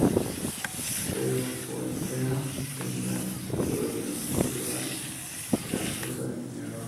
Pero Popea tenía todavía una rival: la esposa de Nerón.